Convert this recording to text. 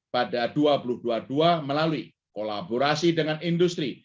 pada dua ribu dua puluh dua melalui kolaborasi dengan industri